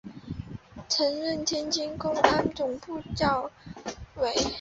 曾任天津公安总队政委。